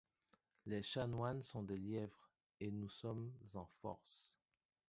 Les chanoines sont des lièvres, et nous sommes en force.